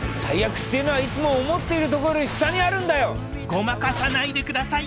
ごまかさないで下さい！